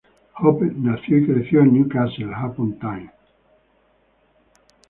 Hope nació y creció en Newcastle upon Tyne.